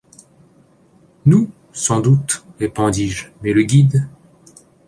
Nous, sans doute, répondis-je, mais le guide ?